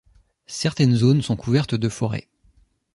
Certaines zones sont couvertes de forêts.